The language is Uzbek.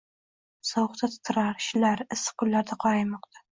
Sovuqda titrar, shilar, issiq kunlarda qoraymoqda